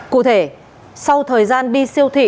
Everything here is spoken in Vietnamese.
cụ thể sau thời gian đi siêu thị